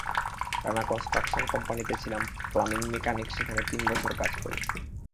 Rana construction কোম্পানিতে ছিলাম plumbing mechanic সেখানে তিন বছর কাজ করি।